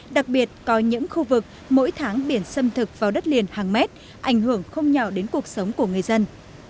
đặc biệt có những khu vực mỗi tháng biển xâm thực vào đất liền hàng mét ảnh hưởng không nhỏ đến cuộc sống của người dân